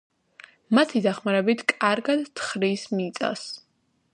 მათი დახმარებით კარგად თხრის მიწას.